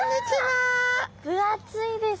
分厚いですね。